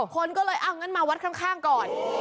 คนก็เลยเอางั้นมาวัดข้างก่อน